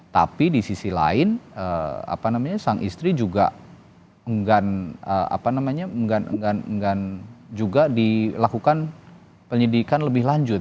tapi di sisi lain sang istri juga enggak juga dilakukan penyidikan lebih lanjut